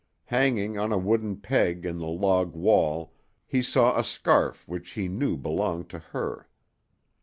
Hanging on a wooden peg in the log wall he saw a scarf which he knew belonged to her.